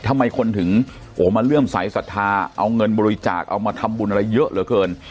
ทำไมคนถึงโอ้มาเลื่อมสายศรัทธาเอาเงินบริจาคเอามาทำบุญอะไรเยอะเหลือเกิน